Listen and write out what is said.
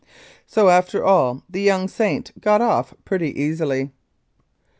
So after all the young "Saint " got off pretty easily.